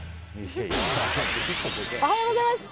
おはようございます。